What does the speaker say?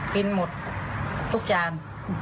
กินหมดทุกจาน